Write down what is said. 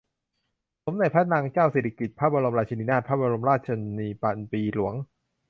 สมเด็จพระนางเจ้าสิริกิติ์ พระบรมราชินีนาถ พระบรมราชชนนีพันปีหลวง